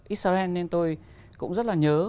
israel nên tôi cũng rất là nhớ